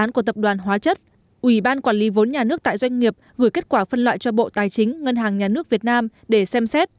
của tập đoàn hóa chất ủy ban quản lý vốn nhà nước tại doanh nghiệp gửi kết quả phân loại cho bộ tài chính ngân hàng nhà nước việt nam để xem xét